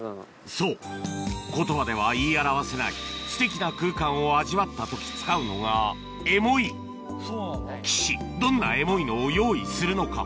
そう言葉では言い表せないすてきな空間を味わった時使うのが岸どんなエモいのを用意するのか？